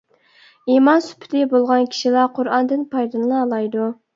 ئىمان سۈپىتى بولغان كىشىلا قۇرئاندىن پايدىلىنالايدۇ.